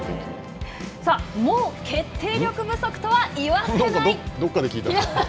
もう決定力不足とは言わせない。